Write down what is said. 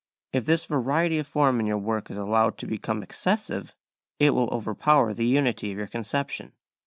If this variety of form in your work is allowed to become excessive it will overpower the unity of your conception.